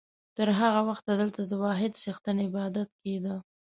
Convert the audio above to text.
تر هغه وخته دلته د واحد څښتن عبادت کېده.